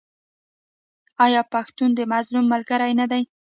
آیا پښتون د مظلوم ملګری نه دی؟